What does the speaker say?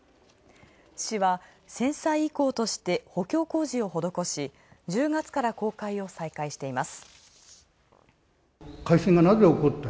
市は戦災遺構として補強工事を施し、１０月から公開を再開しています。